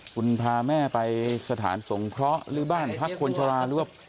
คุณพาแม่ไปสถานสงเคราะห์หรือบ้านพักคนชะลาหรือว่า